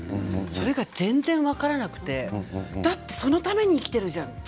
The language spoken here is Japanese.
それが全然分からなくてだって、そのために生きているじゃない。